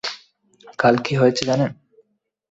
কাল কি হয়েছে জানেন?